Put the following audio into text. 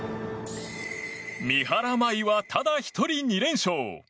三原舞依は、ただ１人２連勝。